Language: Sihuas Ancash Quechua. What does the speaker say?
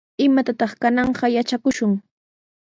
¿Imatataq kananqa yatrakushun?